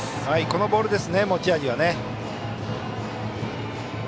このボールですね持ち味は。